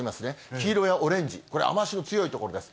黄色やオレンジ、これ、雨足の強い所です。